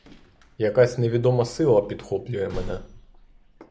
Якась невідома сила підхоплює мене.